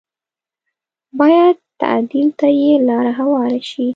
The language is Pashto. بايد تعديل ته یې لاره هواره شي